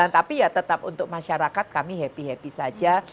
tapi ya tetap untuk masyarakat kami happy happy saja